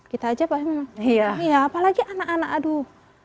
kita aja pasti apalagi anak anak aduh